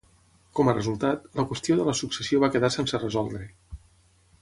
Com a resultat, la qüestió de la successió va quedar sense resoldre.